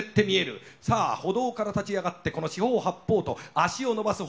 さあ歩道から立ち上がってこの四方八方と足をのばす歩道橋。